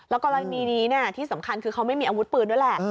กรณีนี้ที่สำคัญคือเขาไม่มีอาวุธปืนด้วยแหละ